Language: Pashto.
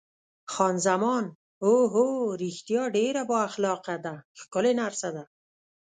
خان زمان: اوه هو، رښتیا ډېره با اخلاقه ده، ښکلې نرسه ده.